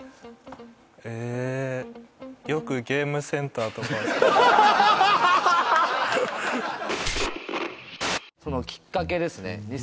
ええよくゲームセンターとかきっかけですね